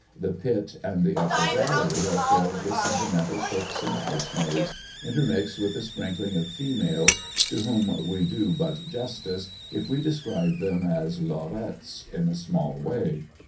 The pit and the upper gallery are filled with sentimental cooks and housemaids, intermixed with a sprinkling of females, to whom we do but justice if we describe them as lorettes in a small way.